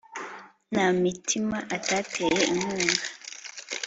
nta mitima atateye inkunga;